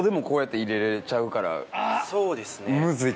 そうですね。